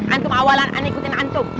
antum awalan ikutin antum